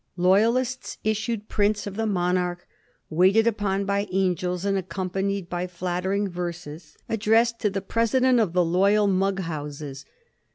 Loyalists issued prints of the monarch waited upon by angels, and accompanied by flattering verses addressed to the * Presedent of y* Loyall Mug Houses.'